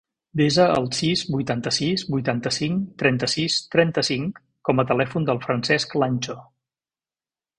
Desa el sis, vuitanta-sis, vuitanta-cinc, trenta-sis, trenta-cinc com a telèfon del Francesc Lancho.